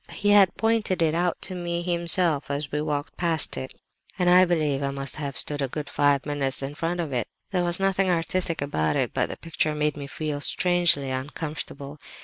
He had pointed it out to me himself as we walked past it, and I believe I must have stood a good five minutes in front of it. There was nothing artistic about it, but the picture made me feel strangely uncomfortable.